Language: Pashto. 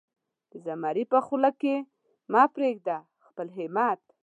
د زمري په خوله کې مه پرېږده خپل همت.